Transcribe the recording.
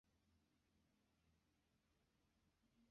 Ne! Mi ŝatas lin, li estas bela kaj mi volas uzi tion.